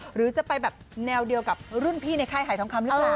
หรือจะไปแบบแนวเดียวกับรุ่นพี่ในค่ายหายทองคำหรือเปล่า